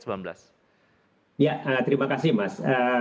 ya terima kasih mas